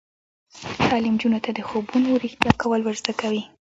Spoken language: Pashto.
تعلیم نجونو ته د خوبونو رښتیا کول ور زده کوي.